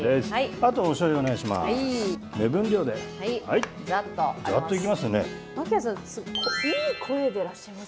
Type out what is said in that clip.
あとおしょうゆ、お願いします。